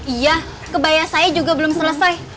iya kebaya saya juga belum selesai